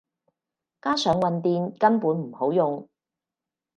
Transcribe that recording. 加上混電根本唔好用